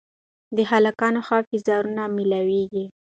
د هلکانو ښه پېزار نه مېلاوېږي